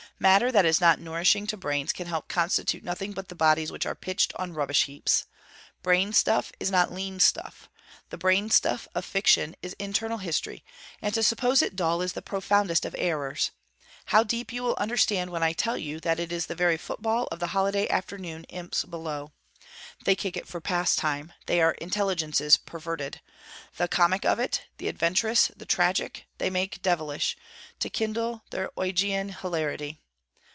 Matter that is not nourishing to brains can help to constitute nothing but the bodies which are pitched on rubbish heaps. Brainstuff is not lean stuff; the brainstuff of fiction is internal history, and to suppose it dull is the profoundest of errors; how deep, you will understand when I tell you that it is the very football of the holiday afternoon imps below. They kick it for pastime; they are intelligences perverted. The comic of it, the adventurous, the tragic, they make devilish, to kindle their Ogygian hilarity.